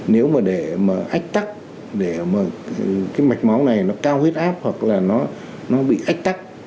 nếu mà để mà ách tắc để mà cái mạch máu này nó cao huyết áp hoặc là nó bị ách tắc